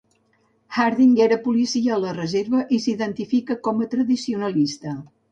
Harding era policia a la reserva i s'identifica com a tradicionalista.